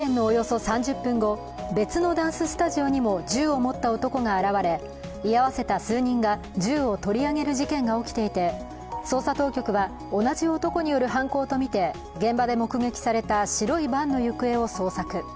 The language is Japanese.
事件のおよそ３０分後別のダンススタジオにも銃を持った男が現れ、居合わせた数人が銃を取り上げる事件が起きていて捜査当局は同じ男による犯行とみて現場で目撃された白いバンの行方を捜索。